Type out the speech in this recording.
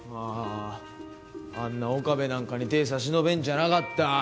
あんな岡部なんかに手差し伸べんじゃなかった。